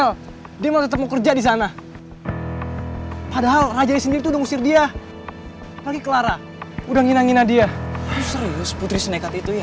sampai jumpa di video selanjutnya